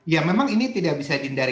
ya memang ini tidak bisa dihindari